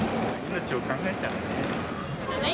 命を考えたらね。